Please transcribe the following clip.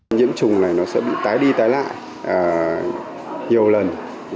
nhiễm trùng này nó sẽ bị tái đi tái lại nhiều lần